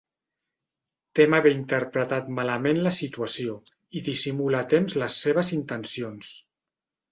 Tem haver interpretat malament la situació i dissimula a temps les seves intencions.